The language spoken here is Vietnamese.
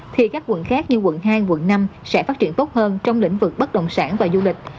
thì các quận khác như quận hai quận năm sẽ phát triển tốt hơn trong lĩnh vực bất động sản và du lịch